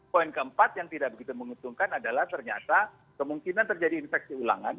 poin keempat yang tidak begitu menguntungkan adalah ternyata kemungkinan terjadi infeksi ulangan